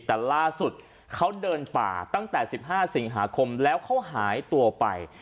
แต่ล่าสุดเขาเดินป่าตั้งแต่๑๕สิงหาคมแล้วเขาหายตัวไป